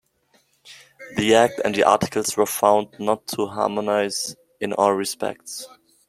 The act and the articles were found not to harmonize in all respects.